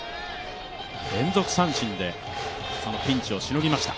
連続三振でそのピンチをしのぎました。